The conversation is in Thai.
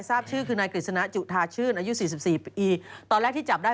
ทราบชื่อคือนายกฤษณะจุธาชื่นอายุสี่สิบสี่ปีตอนแรกที่จับได้